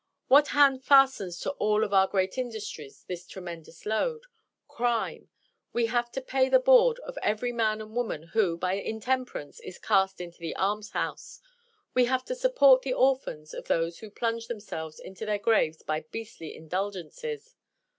What hand fastens to all of our great industries this tremendous load? Crime! We have to pay the board of every man and woman who, by intemperance, is cast into the alms house. We have to support the orphans of those who plunge themselves into their graves by beastly indulgences.